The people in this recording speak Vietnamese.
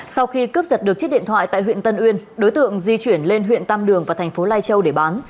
sau khi cướp giật được chiếc điện thoại tại huyện tân uyên đối tượng di chuyển lên huyện tam đường và thành phố lai châu để bán